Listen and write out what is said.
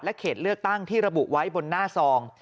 เขตเลือกตั้งที่ระบุไว้บนหน้าซอง